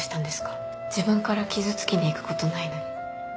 自分から傷つきに行くことないのに。